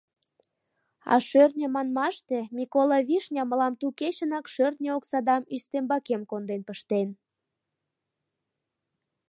А шӧртньӧ манмаште, Микола Вишня мылам ту кечынак шӧртньӧ оксадам ӱстембакем конден пыштен.